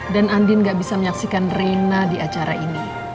dan andin gak bisa menyaksikan reina di acara ini